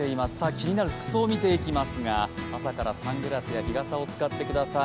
気になる服装を見ていきますが、朝からサングラスや日傘を使ってください。